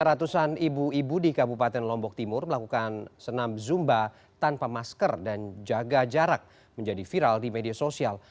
ratusan ibu ibu di kabupaten lombok timur melakukan senam zumba tanpa masker dan jaga jarak menjadi viral di media sosial